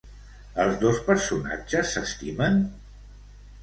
Els dos personatges s'estimen?